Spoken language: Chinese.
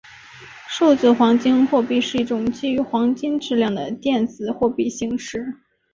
数字黄金货币是一种基于黄金质量的电子货币形式。